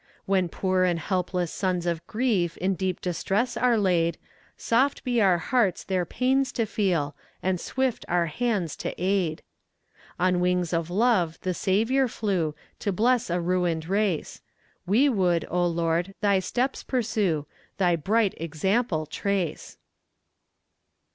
When poor and helpless sons of grief In deep distress are laid; Soft be our hearts their pains to feel, And swift our hands to aid. On wings of love the Saviour flew, To bless a ruined race; We would, O Lord, thy steps pursue, Thy bright example trace.